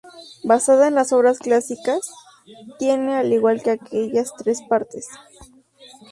Basada en las obras clásicas, tiene al igual que aquellas tres partes.